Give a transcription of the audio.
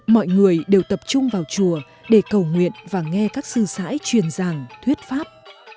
mọi người đều tập trung vào chùa để cầu nguyện và nghe các sư sãi truyền dàng thuyết pháp